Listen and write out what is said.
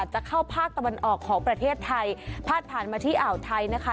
จะเข้าภาคตะวันออกของประเทศไทยพาดผ่านมาที่อ่าวไทยนะคะ